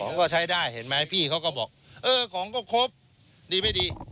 มันก็ใช้ได้เห็นไหมพี่เขาก็บอกเออของก็ครบดีไม่ดี